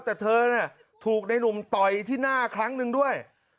แต่เธอถูกในหนุ่มต่อยที่หน้าครั้งหนึ่งด้วย